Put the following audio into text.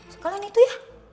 sekalan itu ya